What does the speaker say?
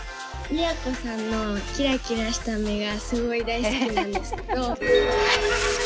都さんのキラキラした目がすごい大好きなんですけど。